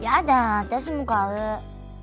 私も買う。